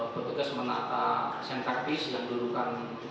petugas menata senter pis yang duduk di atas